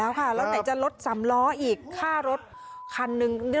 แล้วไหนจะรถสำล้ออีกข้ารถคันหนึ่ง